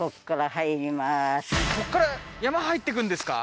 こっから山入っていくんですか？